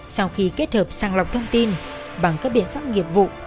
sau khi kết hợp sang lọc thông tin bằng các biện pháp nghiệp vụ